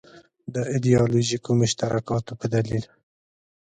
د ایدیالوژیکو مشترکاتو په دلیل.